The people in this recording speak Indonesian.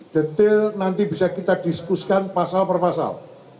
detail nanti bisa kita diskusikan pasal per pasal